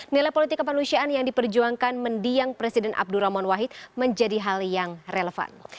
nilai politik kemanusiaan yang diperjuangkan mendiang presiden abdurrahman wahid menjadi hal yang relevan